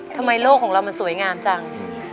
โลกของเรามันสวยงามจัง